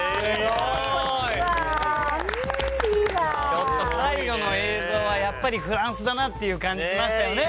ちょっと最後の映像はやっぱりフランスだなっていう感じしましたよね。